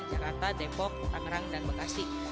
jakarta depok tangerang dan bekasi